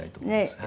ねえ。